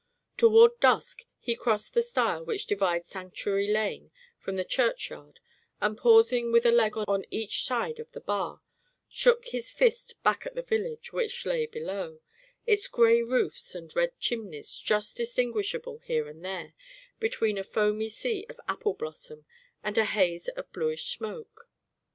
Toward dusk he crossed the stile which divides Sanctuary Lane from the churchyard and pausing, with a leg on each side of the bar, shook his fist back at the village, which lay below, its gray roofs and red chimneys just distinguishable here and there, between a foamy sea of apple blossom and a haze of bluish smoke.